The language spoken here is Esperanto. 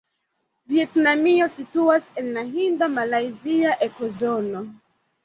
Vjetnamio situas en la hinda-malajzia ekozono.